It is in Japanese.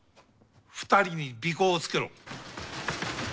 ２人に尾行をつけろ。